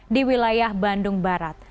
di wilayah bandung barat